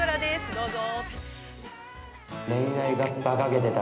どうぞ。